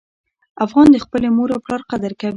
افغان د خپلې مور او پلار قدر کوي.